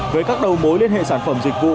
với các đầu mối liên hệ sản phẩm dịch vụ